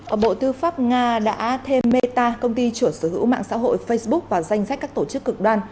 ở bộ tư pháp nga đã thêm meta công ty chủ sở hữu mạng xã hội facebook vào danh sách các tổ chức cực đoan